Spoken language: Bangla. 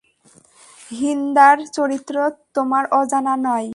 হিন্দার চরিত্র তোমার অজানা নয়।